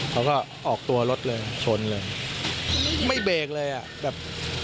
เขาก็ออกตัวรถเลยชนเลยไม่เบรกเลยอ่ะแบบ